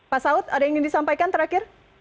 pak saud ada yang ingin disampaikan terakhir